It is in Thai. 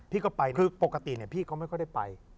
พี่ก็ไปคือปกติพี่เขาไม่ค่อยได้ไป